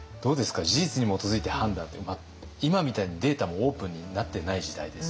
事実に基づいて判断って今みたいにデータもオープンになってない時代ですよ。